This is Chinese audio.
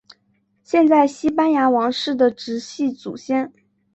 现在西班牙王室的直系祖先。